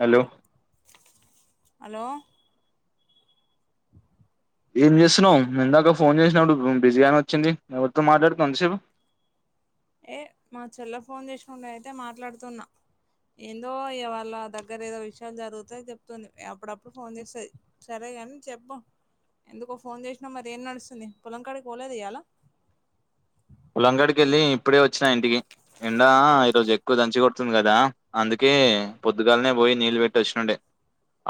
Hello hello ఏం జేస్తున్నావ్ ఇందాకా ఫోన్ చేసినపుడు బిజీ అని వచ్చింది ఎవరితో మాట్లాడుతున్నవ్ అంత సేపు ఏ మా చెల్లె ఫోన్ జేశ్నుండె అయితే మాట్లాడుతున్నా ఏందో యెవాళ్ళ దగ్గర ఏదో విషయం జరుగుతె చెప్తుంది అప్పుడప్పుడు ఫోన్ జేస్తది సరేగాన్ చెప్పు ఎందుకో ఫోన్ చేసినవ్ మరి ఏం నడుస్తుంది పొలం కాడికి పోలేదా ఇయ్యాల పొలం గడికెళ్ళి ఇప్పుడే ఒచ్చినా ఇంటికి ఎండ ఈరోజ్ ఎక్ క్కువ్ దంచి గొడుతుంద్ కదా అందుకే పొద్దుగాలనే పోయి నీళ్ళు వెట్ ఒచ్చినున్డే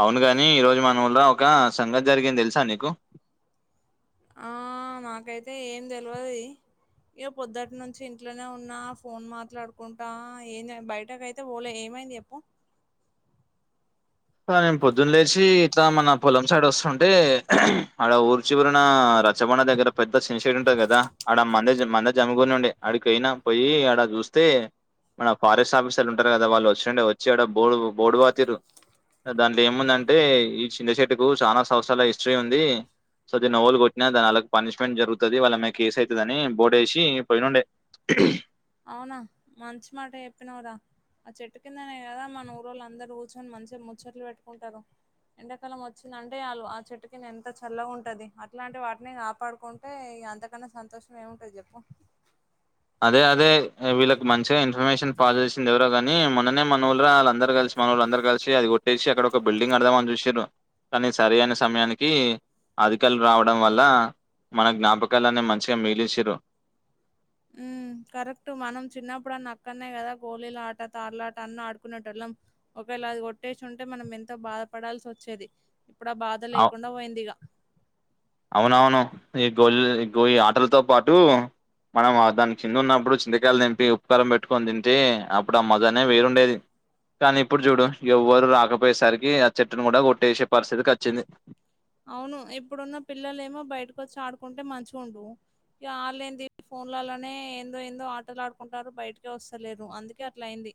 అవును గాని ఈ రోజు మన్ ఉర్ల ఒక సంగతి జరిగింద్ తెలుసా నీకు ఆ మాకైతే ఏం దెల్వది ఇయ పొద్దుట్ నుంచి ఇంట్లోనే ఉన్నా ఫోన్ మాట్లాడుకుంటా ఏం జ బయటకైత్ తే వోలే ఏమైంద్ యెప్పు అ నేన్ పొద్దున్ లేశీ ఇట్లా మన పొలం సైడ్ ఒస్తుంటే ఆడ ఊరు చివురునా రచ్చబండ దగ్గర పెద్ద సింతచేట్టు గదా ఆడ మందేశిర్ మంద జమగుడి నుండె అడిక్ వోయినా పోయి ఆడ జూస్తే మన ఫారెస్ట్ ఆఫీసర్లు ఉంటారు కదా వాళ్ళు ఒచ్చిండే ఒచ్చి ఆడ బోడు బోడు వాతీరు అ దాంట్ల ఏముందంటే ఈ చింత్తచెట్టుకు చానా సంవత్సరాల హిస్టరీ ఉంది సో దీన్ని ఎవ్వలు గొట్టిన దాని అలకి పనిష్మెంట్ జరుగుతది వాళ్ళ మీద కేస్ అయితదని బోడేసి పొయినుండే ఊఉ అవునా మంచి మాట చెప్పినవురా ఆ చెట్టు కిందనే గదా మన ఊరుళ్ళందరు కూర్చొని మంచగ్ ముచ్చట్లు పెట్టుకుంటారు ఎండాకాలం ఒచ్చిందంటే ఆళ్ళు ఆ చెట్టు కింద ఎంత చల్లగా ఉంటది అట్లాంటి వాటిని కాపాడుకున్ టే ఇగ అంతకన్నా సంతోషం ఏముంటది జెప్పు అదే అదే అ వీళ్ళకు మంచిగ ఇన్ఫర్మేషన్ పాజ్ చేసింది ఎవరో గాని మొన్ననే మనుర్ల ఆ ల అందరు కలిశి మనోలందరు కలిశి అది కొట్టేశి అక్కడ ఒక బల్డింగ్ కడదామన్ చూశిర్రు కనీ సరి అయినా సమయానికి అధికల్ రావడం వల్ల మన జ్ఞాపకాలన్ని మంచిగా మిగిలిచిరు ఉమ్ కరెక్ట్ మనం చిన్నప్పుడన్న అక్కనే కదా గోళీల ఆట తార్లాట అన్నడుకునేటోళ్ళం ఒకవేళ అది కొట్టేసుంటే మనం ఎంతో బాధపడాల్సి ఒచ్చేది ఇప్పుడ్ ఆ బాధ లేకుండా వోయిందిగా అవునవును ఈ గోళ్ గోయి ఆటలతో పాటు మనం అ దానికిందున్నప్పుడు చింతకాయలు తెంపి ఉప్పుకారం పెట్టుకొని తింటే అప్పుడు ఆ మజనే వేరుండేది కానీ ఇప్పుడు చూడు ఎవ్వరు రాకపోయేసరికి ఆ చెట్టును కూడా కొట్టేసే పరిస్థితికి అచ్చింది. అవును ఇప్పుడున్న పిల్లలేమో బయటకు వచ్చి ఆడుకుంటే మంచిగా ఉండు ఇక ఆన్లైన్ ది ఫోన్లల్ల్లేనే ఏందో ఏందో ఆటలు ఆడుకుంటారు బయటకే వస్తలేరు అందుకే అట్లా అయింది.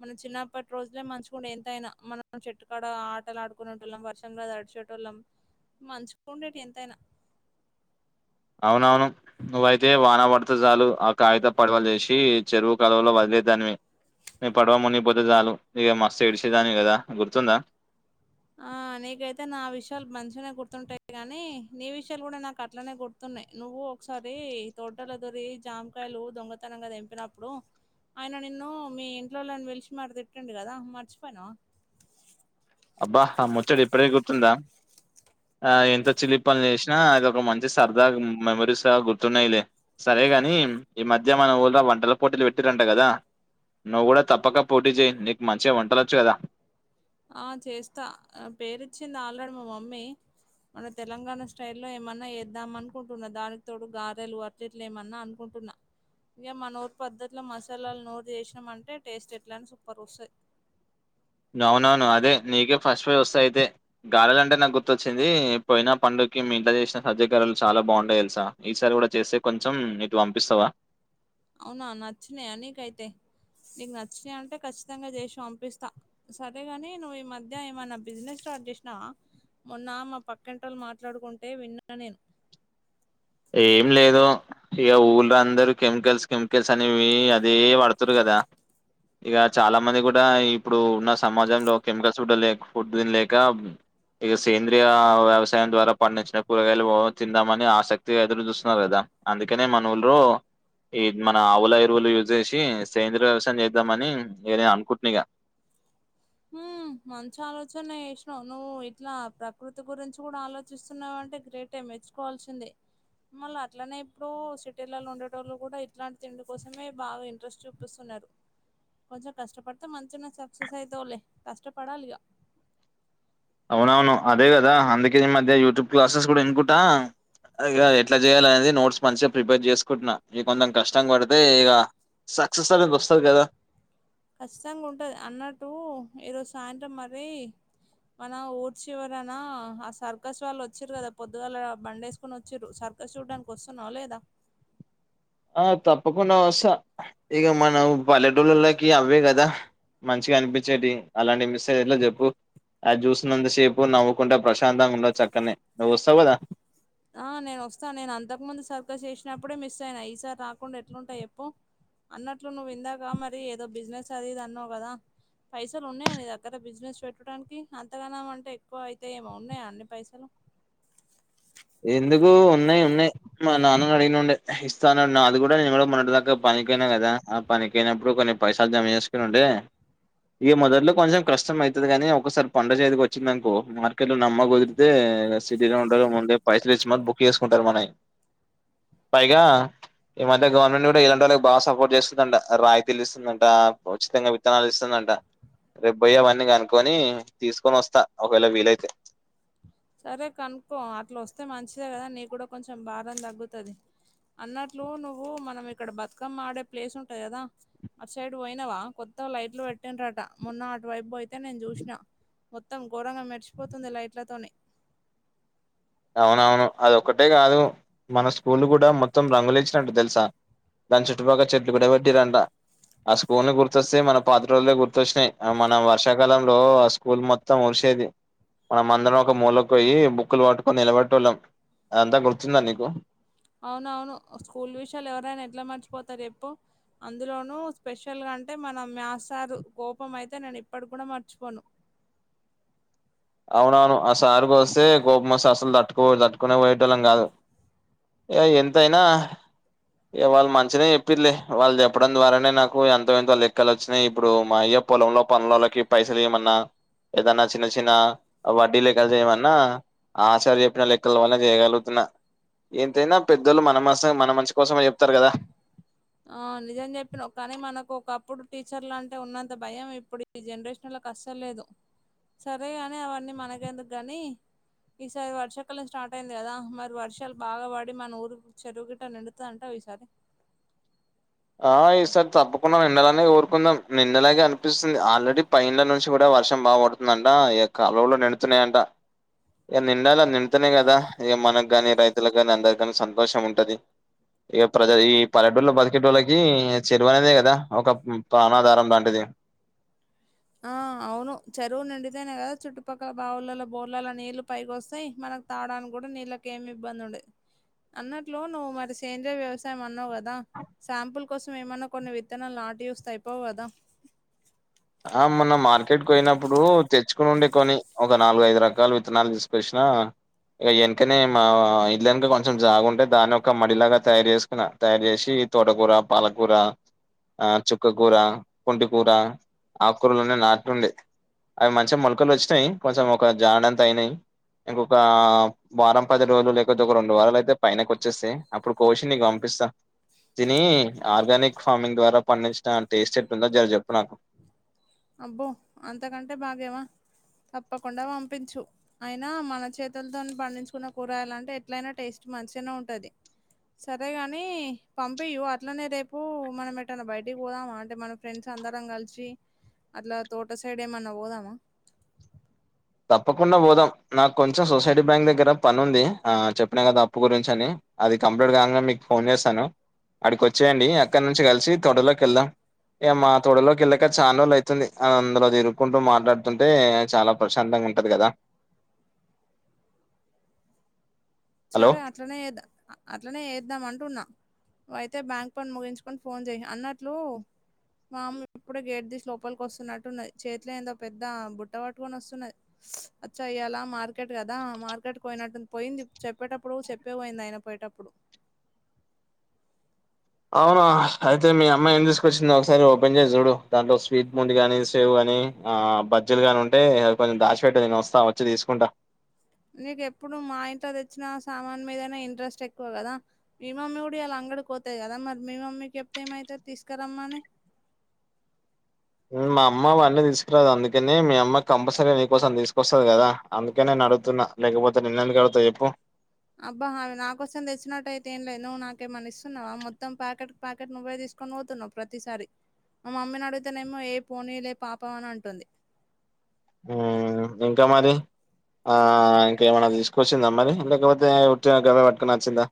మనం చిన్నప్పటి రోజులే మంచికుండే ఎంతయినా మనం చెట్టుకాడ ఆటలు ఆడుకునేంటోల్లం వర్షంలో దాడిశే ట్టలం మంచిగా ఉండేటి ఎంతైనా అవునవును నువ్వైతే వాన పడితే చాలు ఆ కాగిత పడవలు జేసి చెరువు కలువలో వదిలే దానివి. నీ పడవ మునిగిపోతే చాలు ఇక మస్తు ఎడిచేదానివి గదా గుర్తుందా ఆ నీకైతే నా విషయాలు మంచిగానే గుర్తుంటాయి గాని నీ విషయాలు కూడా నాకు అట్లనే గుర్ తున్నాయి నువ్వు ఒకసారి తోటలా దొరి జామకాయలు దొంగతనంగా తెంపినప్పుడు ఆయన నిన్ను మీ ఇంట్లోల్లోని పిలిచి మరి తిట్టిండు కదా మర్చిపోయినవా అబ్బా అ ముచ్చట ఇప్పుడే గుర్తుందా ఆ ఎంత చిలిపనులు చేసినా అది ఒక మంచి సరదా మె మెమోరీస్ లాగా గుర్తున్నాయిలే సరేగాని ఈ మధ్య మన ఊర్లో వంటల పోటీలు పెట్టిరంట గదా నువ్వు కూడా తప్పక పోటీ చేయి నీకు మంచిగా వంటలొచ్చు గదా ఆ చేస్తా ఆ పేరిచ్చింది ఆల్రెడి మా మమ్మీ మన తెలంగాణ స్టైలో ఏమన్నా చేద్దాం అనుకుంటున్న దానికి తోడు గారెలు అట్టి ఇట్లేమన్నా అనుకుంటున్నా ఇగ మన ఊరు పద్ధతిలో మసాలాలు నోరు చేసినమంటే టేస్ట్ ఎట్లా అని సూపర్ వస్తాయ్ అవునవును అదే నీకే ఫస్ట్ ప్రైజ్ వస్తాది అయితే గారాలంటే నాకు గుర్తొచ్చింది పోయిన పండుగకి మీ ఇంట్లో చేసిన సజ్జ గారేలు చాలా బాగుండే తెలుసా ఈసారి కూడా చేస్తే కొంచెం ఇటు పంపిస్తావా అవునా నచ్చినాయా నీకైతే నీకు నచ్చినాయి అంటే ఖచ్చితంగా చేసి పంపిస్తా సరేగాని నువ్వు ఈ మధ్య ఏమైనా బిజినెస్ స్టార్ట్ చేసినవా మొన్న మా పక్కింటోలు మాట్లాడుకుంటే విన్నా నేను ఏం లేదు ఇగ ఊర్లా అందరూ కెమికల్స్, కెమికల్స్ అనేవి అదే వాడుతురు గదా ఇగ చాలా మంది కూడా ఇప్పుడు ఉన్న సమాజంలో కెమికల్స్ కూడా లే ఫుడ్ తినలేక ఇగ సేంద్రీయ వ్యవసాయం ద్వారా పండించిన కూరగాయలు ఓ తిందామని ఆసక్తి ఇగ ఎదురు చూస్తున్నారు గదా అందుకనే మన ఊర్లో ఈ మన ఆవుల ఎరువులు యూజ్ చేసి సేంద్రియ వ్యవసాయం చేద్దామని నేనె అనుకుంటున్నా ఇగ హ్మ్. మంచి ఆలోచన ఏసినావు నువ్వు ఇట్లా ప్రకృతి గురించి కూడా ఆలోచిస్తున్నావంటే గ్రేటే మెచ్చు కోవాల్సిందే మళ్ళ అట్లనే ఇప్పుడు సిటీలలో ఉండేటోళ్ళు కూడా ఇట్లాంటి తిండి కోసమే బాగా ఇంట్రెస్ట్ చూపిస్తున్నారు కొంచెం కష్టపడితే మంచిగా సక్సెస్ అయితవ్ లే కష్టపడాలిగా అవునవును అదే కదా అందుకే ఈ మధ్య యూట్యూబ్ క్లాసెస్ కూడా ఇనుకుంటా ఇగ ఎట్లా చేయాలి అనేది నోట్స్ మంచిగా ప్రిపేర్ చేసుకుంటున్నా ఇగ కొంచెం కష్టం పడితే ఇగ సక్సెస్ అనేది వస్తాది గదా ఖచ్చితంగా ఉంటది అన్నట్టు ఈరోజు సాయంత్రం మరి మన ఊరి చివరనా ఆ సర్కస్ వాళ్ళు వొచ్చిరు కదా పొద్దుగాల బండే ఎస్ కొని వొచ్చిరు సర్కస్ చూడ్డానికి వస్తున్నావ లేదా ఆ తప్పకుండా వస్తా ఇగ మన పల్లెటూళ్ళలోకి అవ్వే గదా మంచిగా అనిపించేటివి అలాంటి మిస్ అయ్యే ఎట్లా జెప్పు అది జుసున్నంత సేపు నవ్వు కుంట ప్రశాంతంగా ఉండొచ్చు అక్కన్నే నువ్వు వొస్తావు గదా ఆ నేను వొస్తా నేను అంతకు ముందు సర్కస్ చేసినప్పుడే మిస్ అయిన ఈసారి రాకుండా ఎట్లుంట చెప్పు అన్నట్లు నువ్వు ఇందాక మరి ఏదో బిజినెస్ అదిది అన్నవు కదా పైసలు ఉన్నాయా నీ దగ్గర బిజినెస్ పెట్టుటానికి అంతగానం అంటే ఎక్కువ అయితే ఏమో ఉన్నాయా అన్ని పైసలు ఎందుకు ఉన్నయి ఉన్నయి మా నాన్నని అడిగి నుండే ఇస్తానన్న అది గుడా ఇది గుడా మొన్నటి దాక పనికొయినా కదా ఆ పనికి యినప్పుడు కొన్ని పైసల్ జమ చేసుకునుండే ఇగ మొదట్లో కొంచెం కష్టం అయితది గానీ ఒక్కసారి పంట చేతికి వొచ్చింది ఆనుకో మార్కెట్ లో నమ్మక్ పోయిద్ది అదే సిటీలో ఉంటారు ముందే పైసల్ ఇచ్చి మర్ బుక్ చేసుకుంటారు మనయి పైగా ఇ మధ్య గవర్నమెంట్ గుడా ఇలాంటి వొళ్ళకి బాగా సపోర్ట్ చేస్తుందంట రాయితీలు ఇస్తుందంట ఉచితంగా త్తనాలు ఇస్తుందంట రేపు బోయి అవన్నీ కనుక్కుని తీసుకొని వొస్తా ఒకవేళ వీలైతే సరే కనుక్కో అట్లా వొస్తే మంచిదే కదా నీ కూడా కొంచెం భారం తగ్గుతది. అన్నట్లు నువ్వు మనం ఇక్కడ బతుకమ్మ ఆడే ప్లేస్ ఉంటది కదా. అటు సైడ్ పోయినావా కొత్తగ లైట్లు పెట్టిండ్రు అట మొన్న అటువైపు పోయితే నేను చూష్నా మొత్తం గోరంగా మెరిచిపోతుంది లైట్లతోని అవునవును అదొక్కటే కాదు మన స్కూల్లు గుడా మొత్తం రంగులి ఇచ్చినట్లు తెలుసా దాని చుట్టుపక్క చెట్లు కూడా పెట్టిరంట ఆ స్కూలు గుర్తొస్తే మన పాత రోజులే గుర్తొచ్చినాయి. ఆ మన వర్షాల్ కాలంలో స్కూల్ మొత్తం మురిసేది మనం అందరం ఒక మూల పోయి బుక్కులు పటు కొని నిలబట్టొలం అదంతా గుర్తుందా నీకు అవున అవును స్కూల్ విషయాలు ఎవరైనా ఎట్లా మర్చిపోతరు చెప్పు అందులోను స్పెషల్ గా అంటే మన మాథ్స్ సారు కోపం అయితే నేను ఇప్పటి కూనా మర్చిపోను అవున అవును ఆ సారుకోస్తే కోపం వస్తె అసలు తట్టుకో తట్టుకునే పోయేటోళ్ళం గాదు ఏ ఎంత అయినా ఏ వాళ్ళు మంచిదె చెప్పర్లే వాళ్ళు చెప్పడం ద్వారానే నాకు ఎంతో ఎంత లెక్కలు వొచ్చినాయి ఇప్పుడు మా అయ్యప్ పొలంలో పనుల్లోళ్ళకి పైసలు ఇయ్యమన్నా ఏదన్నా చిన్న చిన్న వడ్డీ లెక్కలు చేయమన్నా ఆ చార్ చెప్పిన లెక్కల వల్ల చేయగలుగుతున్నా ఎంతైనా పెద్దోళ్లు మన మస మన మంచి కోసమే చెప్తరు గదా ఆ నిజం చెప్పినవ్ కానీ మనకు ఒకప్పుడు టీచర్ లు అంటే ఉన్నంత భయం ఇప్పుడు ఈ జనరేషన్ వొళ్ళకి అసలు లేదు సరేగాని అవన్నీ మనకెందుకు గాని ఈసారి వర్షాకలం స్టార్ట్ అయింది కదా మరి వర్షాలు బాగా పడి మన ఊరు చెరువు గిట్ట నిండు త అంటావ ఈసారి ఆ ఈ సార్ తప్పకుండా నిండలానే కోరుకుందాం నిండలాగే అనిపిస్తుంది ఆల్రెడీ పైన నుంచి గుడా వర్షం బాగు పడుతుందంట ఇగ కాలువలుళ్ల నిండుతున్నాయి అంట ఇగ నిండాలే నిండుతేనే గదా ఇగ మనకు గాని రైతులకు గాని అందరి గాని సంతోషం ఉంటది ఇక ప్రజ ఈ పలెటూర్లో బది కె టోలకి చెరువు అనేదే కదా ఒక పానాధారం లాంటిది ఆ అవును చెరువు నిండితేనే కదా చుట్టుపక్కల బావులలో బోర్లలో నీళ్లు పైకి వొస్తాయి మనకు తాడానికి గుడా నీళ్ళేకి ఏమి ఇబ్బంది ఉండద్ అన్నట్లు నువ్వు మరి సేంద్రయ వ్యవసాయం అన్నావు గదా సాంపిల్ కోసం ఏమన్నా కొన్ని విత్తనాలు నాటీ చూస్తే అయిపోవు కదా ఆ మొన్న మార్కెట్కి పోయినప్పుడు తెచ్చుకుని ఉండే కొన్ని ఒక నాలుగు ఐదు రకాల విత్తనాలు తీసుకొచ్చినా ఇగ ఎన్కనే మా ఇల్ ఎనుక కొంచెం జాగుంటే దాన్ని ఒక మడిలాగా తయారు చేసు కున్న తయారు చేసి తోటకూర, పాలకూర, ఆ చుక్కకూర, పూంటి కూర ఆకూరలులనే నాట్లు ఉండే అవి మంచిగా మొలకలు వచ్చినాయి కొంచెం ఒక జాడంత అయినాయి. ఇంకొకా వారం పది రోజులు లేకపోతే ఒక రెండు వారాలు అయితే పైనకి వచ్చేస్తయి అప్పుడు కోచి నీకు పంపిస్తా తీని ఆర్గానిక్ ఫార్మింగ్ ద్వారా పండించిన టేస్ట్ ఎట్ల ఉందో జర చెప్పు నాకు అబ్బో అంతకంటే బాగ్యమా తప్పకుండా పంపించు అయినా మన చేతులతోని పండించుకున్న కూరగాయలు అంటే ఎట్లయినా టేస్ట్ మంచిగానె ఉంటది సరేగాని పంపియు అట్లనే రేపు మనం ఎట్టనా బయటికి పోదామా అంటే మనం ఫ్రెండ్స్ అందరం కలిసి అట్ల తోట సైడ్ ఏమన్నా పోదామా తప్పకుండా పోదాం నాకు కొంచెం సొసైటీ బ్యాంక్ దగ్గర పని ఉంది ఆ చెప్పిన కదా అప్పు గురించి అని అది కంప్లీట్ కాంగనే మీకు ఫోన్ చేస్తాను అడికి వచ్చేయండి అక్కడి నుంచి కలిసి తోటలోకి వెళ్దాం ఇగ మా తోటలో కెళ్ళక చన రోజులయితుంది అందులో తిరుకుంటూ మాట్లాడుతుంటే చాలా ప్రశాంతంగా ఉంటది కదా హలో సరే అట్లనే చే అట్లనే చేద్దాం అంటున్నా అయితే బ్యాంక్ పని ముగించుకొని ఫోన్ చెయి అన్నట్లు మా అమ్మ ఇప్పుడే గేట్ తీసి లోపలికి వస్తున్నట్టున్నది చేతిలో ఏదో పెద్ద బుట్ట పట్టుకొని వస్తున్నది అచ్చ అయ్యాల మార్కెట్ కదా మార్కెట్ పోయినట్టుంది పోయింది చెప్పేటప్పుడు చెప్పే పోయింది అయినా పోయేటప్పుడు అవునా అయితే మీ అమ్మ ఏం తీసుకొచ్చింది ఒకసారి ఓపెన్ చేసి చూడు దాంట్లో స్వీట్ బూంది గాని సేవ్ గాని ఆ బజ్జిలు గాని ఉంటే ఆది కొంచెం దాచిపెట్టే నేను వస్తా వచ్చి తీసుకుంటా నీకు ఎప్పుడు మా ఇంట్లో తెచ్చిన సామాన్ మీదనే ఇంట్రెస్ట్ ఎక్కువ కదా మీ మమ్మీ కూడా ఇయలా అంగడికి పోతది కదా మరి మీ మమ్మీకి చెప్తే ఏమైతది తీసుకురమ్మని మా అమ్మ అవన్నీ తీసుకురాదు అందుకని మీ అమ్మ కంపల్సరీ నీకోసం తీసుకొస్తది కదా అందుకని నిన్ను అడుగుతున్నా లేకపోతే నిన్ను ఎందుకు అడుగుతా చెప్పు అబ్బా అవి నాకోసం తెచ్చినట్టు అయితే ఏం లేదు నువ్వు నాకేమన్న ఇస్తున్నవ మొత్తం ప్యాకెట్ ప్యాకెట్ నువ్వే తీసుకొని పోతున్నవు ప్రతిసారి మా మమ్మీని అడిగితేనేమో ఏ పోనీ లే పాపం అని అంటుంది ఉమ్ ఇంకా మరి ఆ ఇంకేమైనా తీసుకొచ్చిందా మరి లేకపోతే ఉట్టిగా గవే పట్టుకుని వచ్చిందా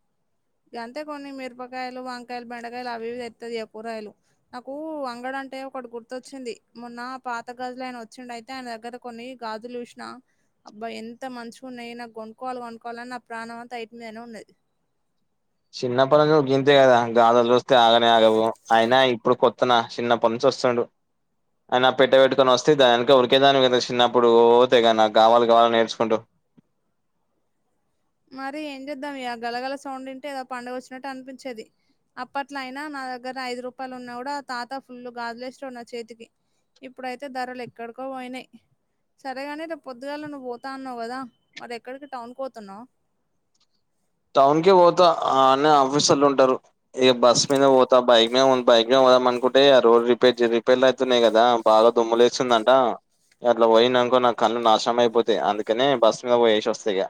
గంతే కొన్ని మిరపకాయలు వంకాయలు బెండకాయలు అవి ఇవి తెత్తది ఇగ కూరగాయలు నాకు అంగడంటే ఒకటి గుర్తొచ్చింది మొన్న పాత గాజులు ఆయన వచ్చిండు అయితే ఆయన దగ్గర కొన్ని గాజులు చూసిన అబ్బా ఎంత మంచిగున్నయి నాకు కొనుక్కోవాలి కొనుక్కోవాలని నా ప్రాణం అంత అయిటి మీదనే ఉన్నది చిన్నప్పటి నుంచి నువ్వు గింతే కదా గాజులు చూస్తే ఆగనే ఆగవు అయినా ఇప్పుడు కొ త్తన చిన్నప్పటి నుంచి వస్తుండు అయన పెట్టబట్టుకొని వస్తే దాని వెనుక ఉరికేదానివి కద చిన్నప్పుడు తెగ నాకావాలి కావాలి ఏడ్చుకుంటూ మరి ఏం చేద్దాం ఇగ గలగల సౌండ్ ఇంటే ఏదో పండుగ వచ్చినట్టు అనిపించేది అప్పట్లో అయినా నా దగ్గర ఐదు రూపాయలు ఉన్నా కూడా తాత ఫుల్ గాజులేషేటోడు నా చేతికి ఇప్పుడయితే ధరలు ఎక్కడికో పోయినయి సరేగాని రేపు పొద్దుగాల నువ్వు పోతా అన్నావు కదా మరి ఎక్కడికి టౌన్కి పోతున్నావ్ టౌన్ కి పోతా అన్నే ఆఫీసర్లు ఉంటరు ఇగ బస్ మీద పోతా బైక్ బైక్ మీద పోదాం అనుకుంటే ఆ రోడ్ రిపేర్ రిపేర్లు అయితున్నయి కదా బాగా దుమ్ములేస్తుందంట అట్లా పోయినానుకో నా కన్ను నాష్ణం అయిపోతాయి అందుకని బస్సు మీద పోయేసి వస్తా ఇగ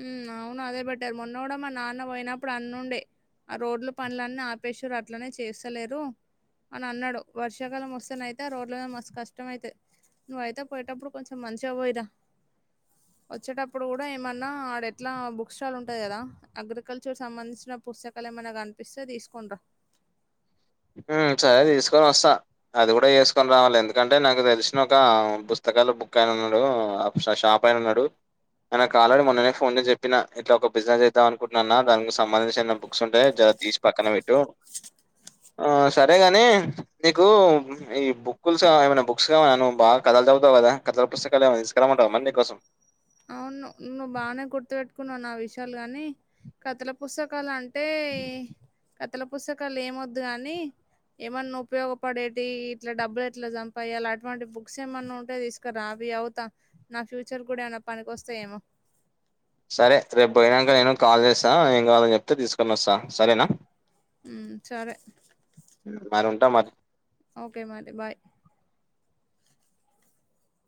ఉమ్ అవును అదే బెట్టర్ మొన్న గుడ మా నాన్న పోయినప్పుడు అన్నుండే ఆ రోడ్ల పనులన్నీ ఆపేశిరు అట్లనే చేస్తలేరు అనన్నడు వర్షాకాలం వస్తేనయితే రోడ్ల మీద మస్తు కష్టం అయితది నువ్వయితే పోయేటప్పుడు కొంచెం మంచిగా పోయిరా వచ్చేటప్పుడు కూడా ఏమన్ న్నా ఆడ ఎట్లా బుక్ స్టాల్ ఉంటది కదా అగ్రికల్చర్ సంబంధించిన పుస్తకాలు ఏమైనా కనిపిస్తే తీసుకోనిరా ఉమ్ సరే తీసుకొనోస్తా అది కూడా చేసుకొని రావాలి ఎందుకంటే నాకు తెలిసిన ఒక పుస్తకాల బుకయిన ఉన్నడు షా షాపైనున్నడు అన్నకాలరేడి మొన్ననే ఫోన్ చేసి చెప్పినా ఇట్లా ఒక బినెసెదాం అకుంటున్నాన్న దానికి సంబంధించిన బుక్స్ ఉంటే జర తీస్ పక్కన పెట్టు ఆ సరేగని నీకూ ఈ బుక్లుసా ఏమనా బుక్స్ కాన్నా బా కథలు చదుతావు కదా కథల పుస్తకాలు ఏమై తీస్కురమ్మంటవ మరీ నీకోసం అవ్ను నువ్వు బానే గుర్తుపెట్టుకున్నవ్వ్ నా విషాలు గాని కథల పుస్తకాలం టే కథల పుస్తకాలు ఏమోద్దు కాని ఏమన్నా ఉప్యోగపడేటి ఇట్ల డబ్బులెట్ల సంపదియ్యాలి అలావంటి బుక్సేమన్నా ఉంటే తీస్ క్కరావి చదుతాం నా ఫ్యూచర్ కూడా ఏమనా పనికోస్తా ఏమో సరే రేపు బోయినక నేను కాల్ చేస్తాను ఏం కావాలని చెప్తే తీసుకొనోస్తా సరేనా ఉమ్ సరే ఉమ్ మరుంట మరి ఓకే మరి బాయ్